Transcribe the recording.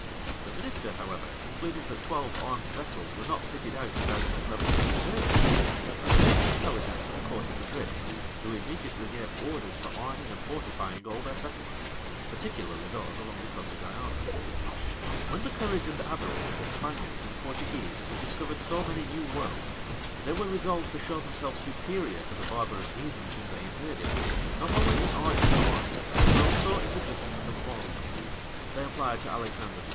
The minister, however, concluding that twelve armed vessels were not fitted out without some purpose of invasion, conveyed the intelligence to the court of Madrid, who immediately gave orders for arming and fortifying all their settlements, particularly those along the coast of Guiana. When the courage and avarice of the Spaniards and Portuguese had discovered so many new worlds, they were resolved to show themselves superior to the barbarous heathens whom they invaded, not only in arts and arms, but also in the justice of the quarrel: they applied to Alexander VI..